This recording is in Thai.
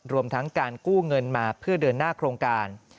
รวมทั้งการกู้เงินมาเพื่อเดินหน้าโครงการ